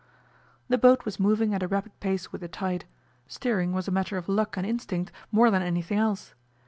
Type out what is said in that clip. The boat was moving at a rapid pace with the tide. Steering was a matter of luck and instinct more than anything else.